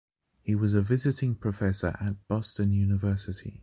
He was a visiting professor at Boston University.